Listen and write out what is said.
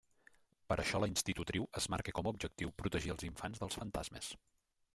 Per això la institutriu es marca com a objectiu protegir els infants dels fantasmes.